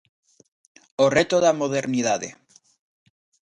O reto da modernidade.